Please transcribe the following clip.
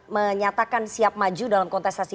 menyatakan siap maju dalam kontestasi